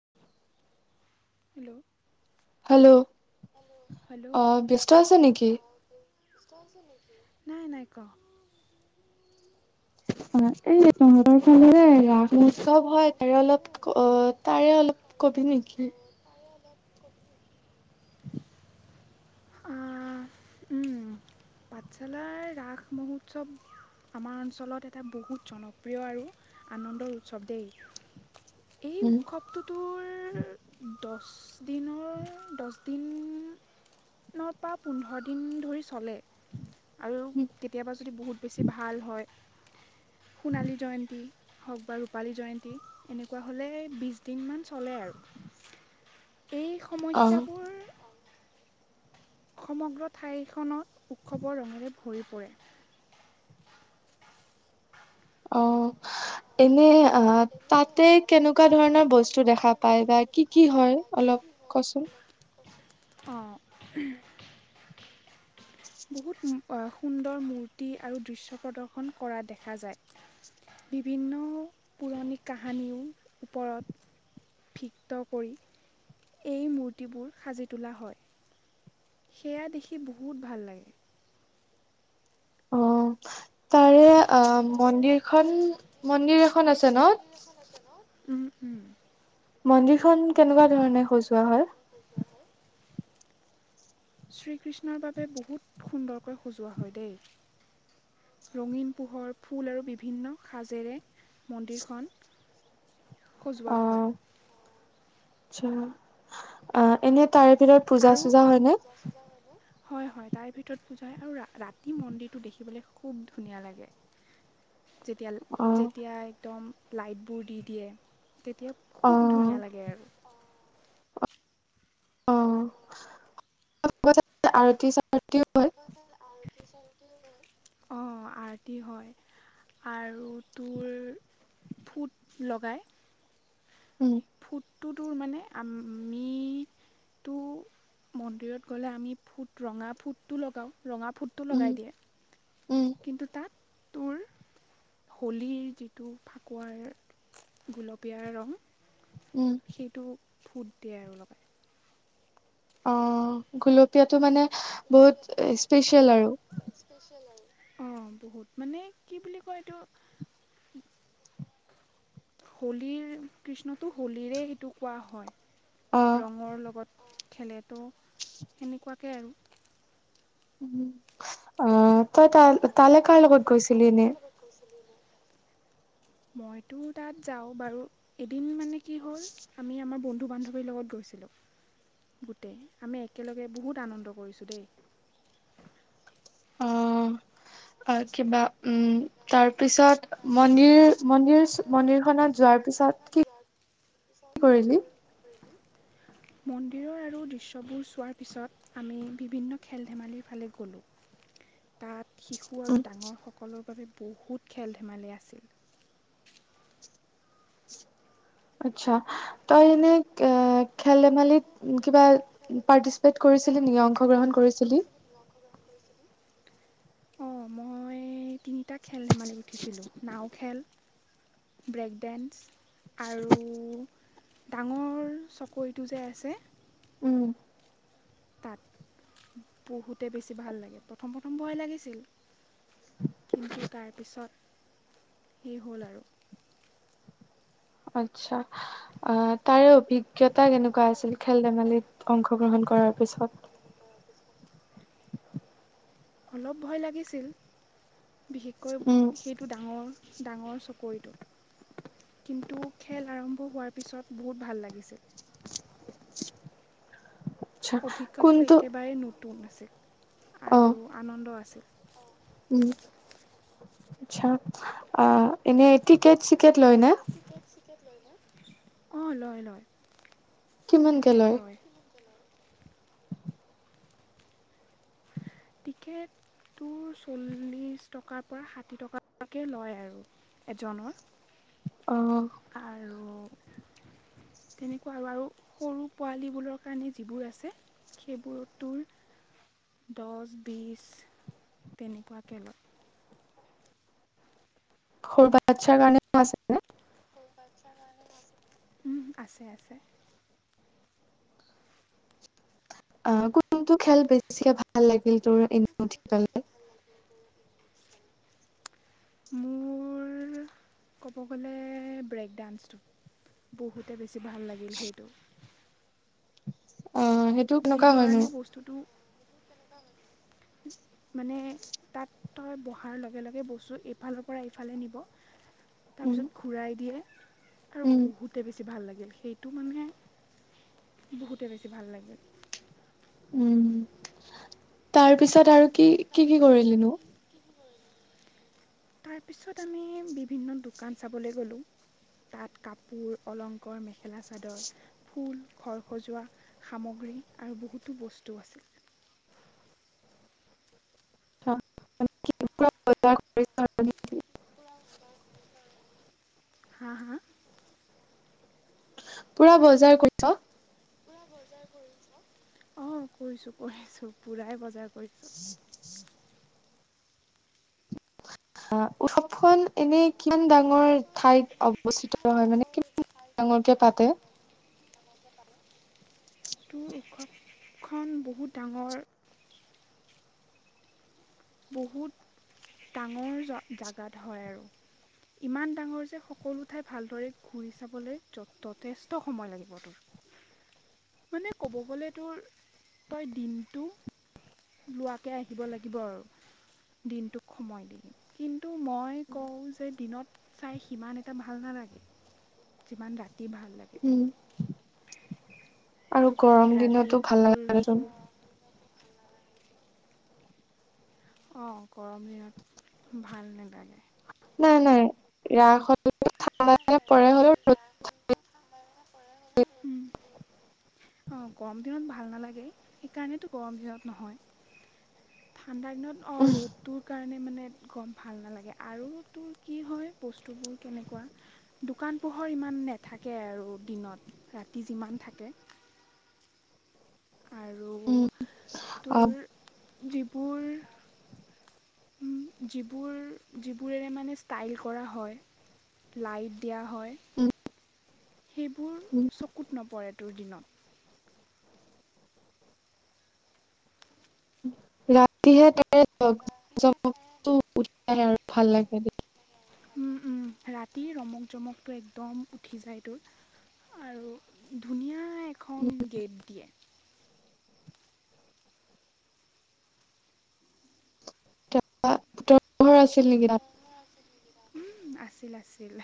[unintelligible] Hello hello অ ব্যস্ত আছ নেকি? নাই, নাই ক। অ এই তহঁতৰ ফালৰে- তহঁতৰ ফালে যে ৰাস মহোৎসৱ হয় তাৰে অলপ অ তাৰে অলপ [unintelligible] আ উম পাঠশালাৰ ৰাস মহোৎসৱ আমাৰ অঞ্চলত এটা বহুত জনপ্ৰিয় আৰু- আনন্দ উৎসৱ দেই? এই উৎসৱটো তোৰ দহ দিনৰ, দহ দিনপা -পোন্ধৰ দিন ধৰি চলে আৰু কেতিয়াবা যদি বহুত বেছি ভাল হয় সোণালী জয়ন্তী হওঁক বা ৰূপালী জয়ন্তী, এনেকুৱা হ'লে বিশ দিনমান চলে আৰু এই সমস্যাবোৰ সমগ্ৰ ঠাইখনত উৎসৱৰ ৰঙেৰে ভৰি পৰে। অ', এনে আ তাত তাতে কেনেকুৱা ধৰণৰ বস্তু দেখা পায়, বা কি কি হয় অলপ ক'চোন অ' বহুত হ সুন্দৰ মূৰ্তি আৰু দৃশ্য প্ৰদৰ্শন কৰা দেখা যায়। বিভিন্ন পুৰণি কাহানীও ওপৰত ভিক্ত কৰি এই মূৰ্তিবোৰ সাজি তোলা হয়। সেয়া দেখি বহুত ভাল লাগে। অ', তাৰে আ মন্দিৰখন মন্দিৰ এখন আছে ন' উম উম মন্দিৰ খন কেনেকুৱা ধৰণে খজোৱা হয়? শ্ৰীকৃষ্ণ বাবে বহুত সুন্দৰকৈ সজোৱা হয় দেই। ৰঙীন পোহৰ ফুল আৰু বিভিন্ন সাজেৰে মন্দিৰখন সজোৱা হয়। আচ্ছা, আ এনে তাৰে ভিতৰত পূজা-চূজা হয়নে? হয় হয় তাৰে ভিতৰত পূজা, আৰু ৰাতি মন্দিৰটো দেখিবলৈ খুব ধুনীয়া লাগে। যেতিয়া ল, যেতিয়া একদম লাইটবোৰ দি দিয়ে তেতিয়া খুব ধুনীয়া লাগে আৰু অ', [unintelligible] আৰতি- চাৰতিও আৰতি-চাৰতিও হয়? অ', আৰতি হয়। আৰু তোৰ ফুট লগাই উম ফুটটো তোৰ মানে, আমিতো মন্দিৰত গ'লে আমি ফুট ৰঙা ফুটটো লগাওঁ ৰঙা ফুটটো লগাই দিয়ে কিন্তু তাত। তোৰ হোলীৰ যিটো ফাকুৱাৰ গুলপীয়া ৰং। সেইটো। ফুট দিয়ে আৰু লগাই। অ গুলপীয়াটো মানে। জুলপীয়াটো মানে বহুত স্পেচিয়েল আৰু। [unintelligible] অ বহুত মানে কি বুলি কয় এইটো, হলীৰ কৃষ্ণটো হোলীৰে সটো কোৱা হয়। ৰঙৰ লগত। খেলেদ। ত' সেনেকুৱাকে আৰু। উ অম তই তাল। ম তই তালে কাৰ লগত গৈছিল [unintelligible] মইতো তাত যাও বাৰু এদিন মানে। কি হ'ল আমি আমাৰ বন্ধু বান্ধৱীৰ লগত গৈছিলোঁ গোটেই, আমি একেলগে বহুত আনন্দ কৰিছোঁ দেই। অ কিবা উম তাৰ। তাৰ পিছত মন্দিৰ মন্দিৰ মন্দিৰখনত যোৱা পিছত কি কৰিলি। মন্দিৰৰ আৰু দৃশ্যবোৰ চোৱাৰ পিছত আমি বিভিন্ন খেল, ধেমালিৰ ফালে গ'লোঁ তাত। শিশু আৰু ডাঙৰসকলৰ বাবে। বহুত খেল। ধেমালি আছিল। আচ্ছা তই এনে কাক। আৰু এনে অ খেলধেমালিত কিবা পাৰ্টিচিপেট কৰিছিলি নেকি অংশগ্ৰহণ কৰিছিল। অঁ, মই। তিনিটা খেল, ধেমালি উঠিছিলোঁ নাও খেল। Break dance. আৰু। ডাঙৰ চকৰিটো যে আছে। তাত পঢ়োতে বেছি ভাল লাগে প্ৰথম প্ৰথম ভয় লাগিছিল। কিন্তু তাৰপিছত। সেই হ'ল আৰু। আত্ছা অ তাৰে অভিজ্ঞতা কেনেকোৱা আছিল। কেকা কেনেকা আছিল খেল ধেমালিত অংশগ্ৰহণ কৰাৰ পিছত। অলপ ভয় লাগিছিল। বিশেষকৈ সেইটো ডাঙৰ। ডাঙৰ চকৰিটো কিন্তু খেল আৰম্ভ হোৱাৰ পিছত বহুত ভাল লাগিছিল চিকচ অভিজ্ঞটো একেবাৰে ন তুন আছিল আৰু আনন্দ আছিল উম চা আ এনেই টিকেট চিকেট টিকেত লয় নে কৰিলো অ লয় লয় টিকেট লয় টিকেটটো চল্লিছ টকাৰ পৰা ষাঠি টকালৈকে লয় আৰু এজনৰ আৰু তেনেকোৱাই আৰু সৰু পোৱালিবোৰৰ কাৰণে যিবোৰ আছে সেইবোৰ তোৰ দহ-বিশ সৰু বাচ্ছাৰ কাৰণেও আছে নে সৰু বাচ্ছাৰ কাৰণে আছে নে। উম আছে আছে অ কোনটো খেল বেছিকে ভাল লাগে নিজৰ এমুঠি পালে মোৰ কব গলে ব্ৰেক ডান্সটো বহুতে বে বেছি ভাল লাগিল সেইটো যি ধৰণে বস্তুটো এইটো কেনেকোৱা হয়নো মানে তাত তই বহাৰ লগে লগে বস্তু এফালৰ পৰা সিফালে নিব তাৰপিছত ঘূৰাই দিয়ে আৰু বহুতে বেছি ভাল লাগে সেইটো মানে উম তাৰপিছত আৰু কি তাৰপিছত আৰু কি কি তাৰপিছত আমি বিভিন্ন দোকান চাবলৈ গ'লোঁ তাত কাপোৰ অলংকাৰ মেখেলা চাদৰ ফুল ঘৰ সজোৱা সামগ্ৰী আৰু বহুতো বস্তু আছিল অ মানে কি পুৰা বজাৰ কৰিলা নে কি হা হা? পুৰা বজাৰ কৰিছ? অঁ কৰিছো কৰিছো, পুৰাই বজাৰ কৰি কৰিছু। অ উৎসৱখন এনেই কিমান ডাঙৰ ঠাইত অৱস্থিত হয় মানে, কিমান ডাঙৰকে পাতে? তোৰ উৎসৱখন বহুত ডাঙৰ বহুত ডাঙৰ জোগাত হয় আৰু, ইমান ডাঙৰ যে সকলো ঠাই ভালদৰে ঘূৰি চাবলৈ যথেষ্ট সময় লাগিব তোৰ, মানে ক'ব গ'লে তোৰ তই দিনটো লোৱাকে আহিব লাগিব আৰু। দিনটোক সময় দিম। কিন্তু মই কওঁ যে দিনত চাই সিমান এটা ভাল নালাগে? যিমান ৰাতি যি ভাল লাগে। আৰু গৰম দিনতো ভাল নালাগে একদম। অ' গৰম দিনত ভাল নালাগে। নাই নাই ৰাস হ'লে ঠাণ্ডা অলপ পৰে হলেও [unintelligible] হ'ম অঁ গৰম দিনত ভাল নালাগে, সেইকাৰণেতো গৰম দিনত নহয়। ঠাণ্ডা দিনত, অ' ৰ'দটোত কাৰনে মানে গম ভাল নালাগে আৰু তুৰ কি হয় বস্তুবোৰ কেনেকোৱা দুকান পুহৰ ঘৰ ইমান নেথাকে আৰু দিনত, ৰাতি যিমান থাকে। আৰু তোৰ যিবোৰ, যিবোৰ, যিবোৰেৰে মানে ষ্টাইল কৰা হয়, লাইট দিয়া হয়, সেইবোৰ চকুত নপৰে তোৰ দিনত। [unintelligible] ওম'-ওম' ৰাতি ৰমক জমকটো একদম উঠি যায় তোৰ আৰু ধুনীয়া এখন গেট দিয়ে [unintelligible] উম' আছিল আছিল।